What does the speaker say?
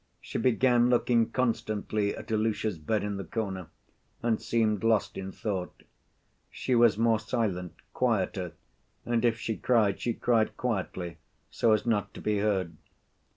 She began looking constantly at Ilusha's bed in the corner and seemed lost in thought. She was more silent, quieter, and, if she cried, she cried quietly so as not to be heard.